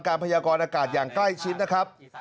การพยากรณ์อากาศอย่างใกล้ชิ้นนะครับ